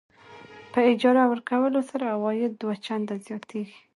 په اجاره ورکولو سره عواید دوه چنده زیاتېږي.